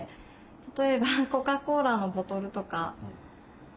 例えばコカコーラのボトルとか。